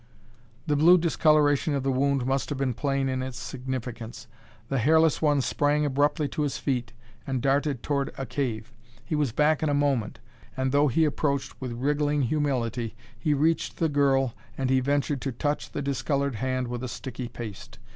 The blue discoloration of the wound must have been plain in its significance. The hairless one sprang abruptly to his feet and darted toward a cave. He was back in a moment; and, though be approached with wriggling humility, he reached the girl and he ventured to touch the discolored hand with a sticky paste.